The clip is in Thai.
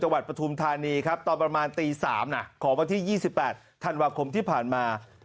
วัดปฐุมธานีครับตอนประมาณตี๓ของวันที่๒๘ธันวาคมที่ผ่านมา